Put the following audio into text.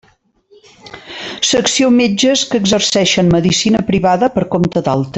Secció Metges que exerceixen medicina privada per compte d'altri.